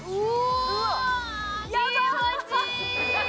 うわ、気持ちいい！